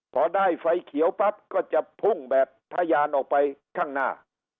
พอได้ไฟเขียวปั๊บก็จะพุ่งแบบทะยานออกไปข้างหน้า